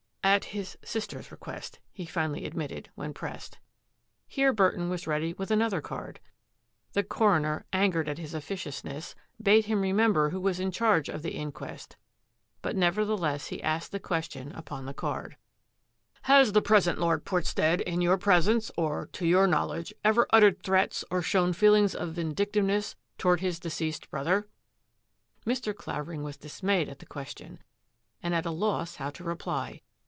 " At his sister's request," he finally admitted, when pressed. Here Burton was ready with another card. The coroner, angered at his officlousness, bade him remember who was In charge of the Inquest, but nevertheless he asked the question upon the card. UNDER FIRE 186 " Has the present Lord Portstead, in your pres ence, or to your knowledge, ever uttered threats or shown feelings of vindictiveness toward his de ceased brother? '^ Mr. Clavering was dismayed at the question and at a loss how to reply.